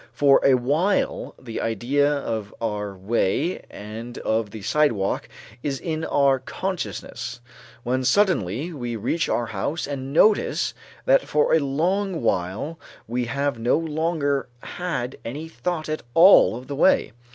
For a while the idea of our way and of the sidewalk is in our consciousness, when suddenly we reach our house and notice that for a long while we have no longer had any thought at all of the way.